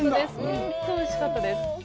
本当においしかったです。